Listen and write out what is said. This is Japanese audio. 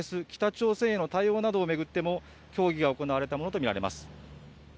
北朝鮮への対応などを巡っても協議が行われたものと見られます。